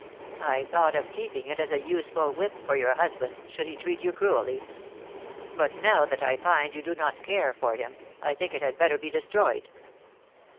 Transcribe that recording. I thought of keeping it as a useful whip for your husband, should he treat you cruelly. But now that I find you do not care for him, I think it had better be destroyed."